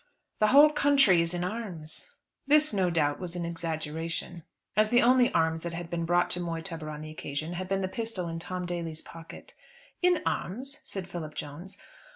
"The whole country is in arms." This, no doubt, was an exaggeration, as the only arms that had been brought to Moytubber on the occasion had been the pistol in Tom Daly's pocket. "In arms?" said Philip Jones.